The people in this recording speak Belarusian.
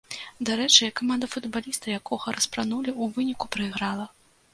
Дарэчы, каманда футбаліста, якога распранулі, у выніку прайграла.